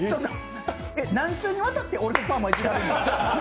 何週にわたって俺のパーマいじられるの？